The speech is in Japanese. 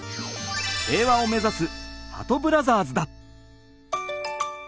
平和を目指すはとブラザーズだ！